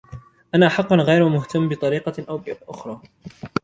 أنا حقاً غير مهتم بطريقة أو بأخرى.